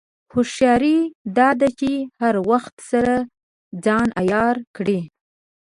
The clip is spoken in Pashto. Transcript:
هوښیاري دا ده چې د هر وخت سره ځان عیار کړې.